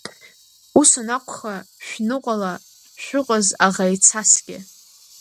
Ус анакәха, шәныҟәала, шәыҟаз аӷа ицасгьы!